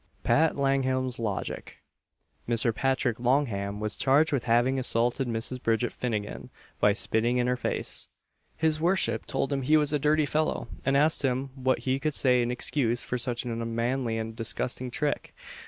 PAT LANGHAM'S LOGIC. Mr. Patrick Langham was charged with having assaulted Mrs. Bridget Finnagen, by spitting in her face. His worship told him he was a dirty fellow, and asked him what he could say in excuse for such an unmanly and disgusting trick.